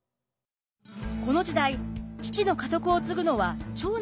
この時代父の家督を継ぐのは長男というのが常識。